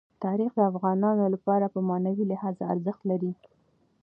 تاریخ د افغانانو لپاره په معنوي لحاظ ارزښت لري.